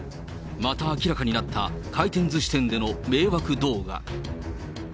また明らかになった、回転ずし店での迷惑動画。